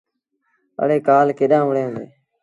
اَڙي ڪآل ڪيڏآن وُهڙيٚن هُݩديٚݩ۔